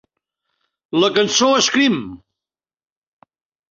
La cançó Scream!